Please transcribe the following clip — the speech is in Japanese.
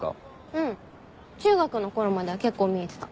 うん中学の頃までは結構見えてた。